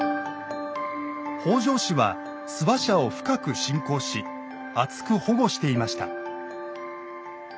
北条氏は諏訪社を深く信仰しあつく保護していました。